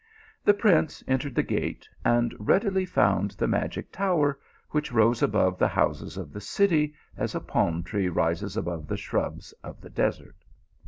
The prince entered the gate and readily found the magic tower, which rose above the houses of the city as a palm tree rises above the shrubs of the desert.